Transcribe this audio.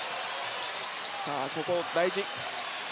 さあ、ここが大事。